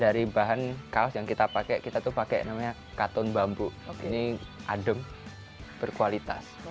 dari bahan kaos yang kita pakai kita tuh pakai namanya katun bambu ini adem berkualitas